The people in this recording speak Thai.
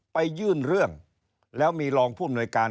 ไปยื่นเรื่องแล้วมีรองผู้อำนวยการ